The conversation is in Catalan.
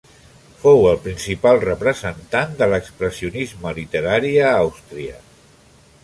Fou el principal representant de l'expressionisme literari a Àustria.